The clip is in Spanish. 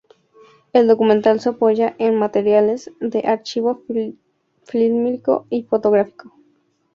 El documental se apoya en materiales de archivo fílmico y fotográfico.